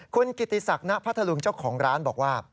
คุณกิติศักดิ์ณพัทธลุงเจ้าของร้านบอกว่า